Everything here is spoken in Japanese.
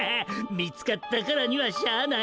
見つかったからにはしゃあない。